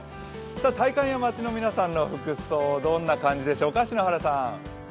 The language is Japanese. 体感や街の皆さんの服装はどんな感じでしょうか？